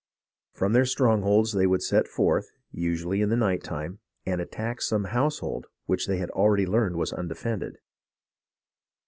From their strongholds they would set forth, usually in the night time, and attack some household which they had already learned was undefended.